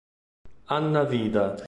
Anna Vida